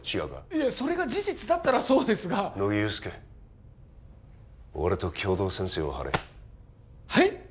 いえそれが事実だったらそうですが乃木憂助俺と共同戦線を張れはい？